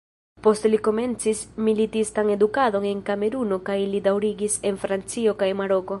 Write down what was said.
Poste li komencis militistan edukadon en Kameruno kaj li daŭrigis en Francio kaj Maroko.